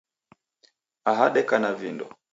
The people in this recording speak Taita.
Aha deka na vindo.